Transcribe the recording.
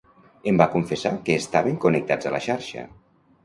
Em va confessar que estaven connectats a la xarxa.